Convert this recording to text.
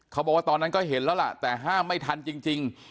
เขาบอกว่าตอนนั้นก็เห็นแล้วล่ะแต่ห้ามไม่ทันจริง